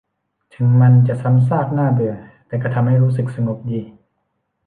ถึงมันจะซ้ำซากน่าเบื่อแต่ก็ทำให้รู้สึกสงบดี